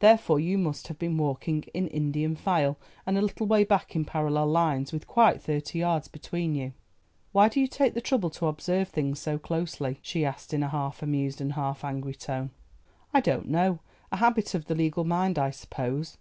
Therefore you must have been walking in Indian file, and a little way back in parallel lines, with quite thirty yards between you." "Why do you take the trouble to observe things so closely?" she asked in a half amused and half angry tone. "I don't know—a habit of the legal mind, I suppose.